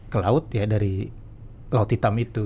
ke laut ya dari laut hitam itu